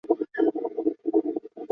该机炮还配备了悬挂式保险装置。